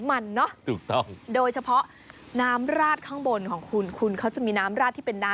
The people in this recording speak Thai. มักกล้ามักกล้ามักกล้ามักกล้า